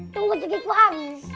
tunggu cukup habis